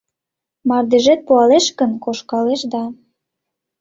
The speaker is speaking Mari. Мардежет пуалеш гын, кошкалеш да.